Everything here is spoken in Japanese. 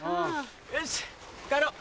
よし帰ろう。